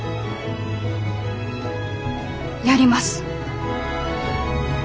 やります！